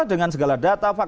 dengan segala data fakta